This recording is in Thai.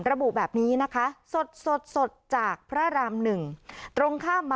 ระบุแบบนี้นะคะสดสดสดจากพระรามหนึ่งตรงข้ามบาปุ่นครอง